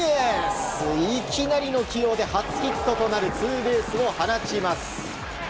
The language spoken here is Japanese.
いきなりの起用で初ヒットとなるツーベースを放ちます。